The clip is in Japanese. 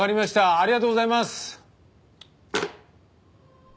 ありがとうございます。